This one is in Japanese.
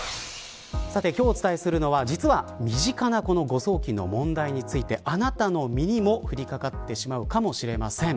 今日お伝えするのは実は身近な誤送金の問題についてあなたの身にも降りかかってしまうかもしれません。